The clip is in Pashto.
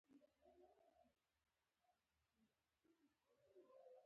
تنور د مهربانو میندو کیسې بیانوي